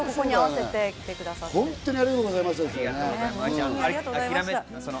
本当にありがとうございましたですよね。